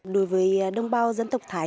đối với đồng bào dân tộc thái